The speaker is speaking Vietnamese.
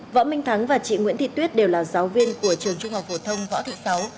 võ minh thắng và chị nguyễn thị tuyết đều là giáo viên của trường trung học phổ thông võ thị sáu